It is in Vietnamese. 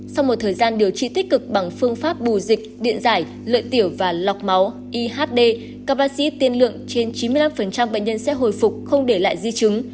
sau một thời gian điều trị tích cực bằng phương pháp bù dịch điện giải lợi tiểu và lọc máu ihd các bác sĩ tiên lượng trên chín mươi năm bệnh nhân sẽ hồi phục không để lại di chứng